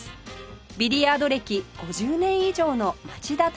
ビリヤード歴５０年以上の町田正